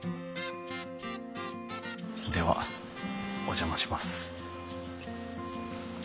ではお邪魔します。